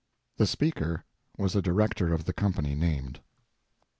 (The speaker was a director of the company named.)